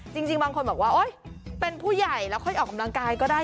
จริงบางคนบอกว่าโอ๊ยเป็นผู้ใหญ่แล้วค่อยออกกำลังกายก็ได้